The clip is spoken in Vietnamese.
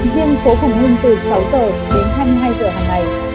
riêng phố phùng hương từ sáu h đến hai mươi hai h hàng ngày